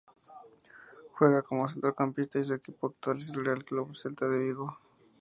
Juega como centrocampista y su equipo actual es el Real Club Celta de Vigo.